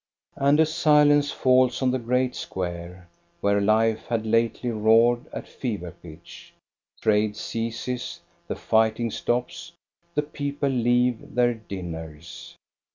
And a silence falls on the great square, where life had lately roared at fever pitch: trade ceases, the fighting stops, the people leave their dinners.